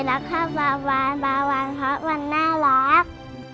รักข้าวบาวานบาวันเพราะมันน่ารัก